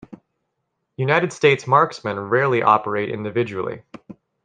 United States marksmen rarely operate individually.